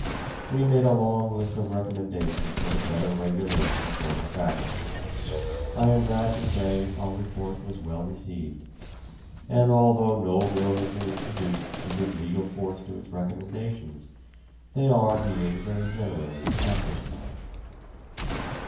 We made a long list of recommendations for the better regulation of motor traffic. I am glad to say our report was well received, and although no bill has been introduced to give legal force to its recommendations, they are being very generally acted upon.